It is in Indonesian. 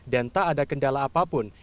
dan tak ada kendala apapun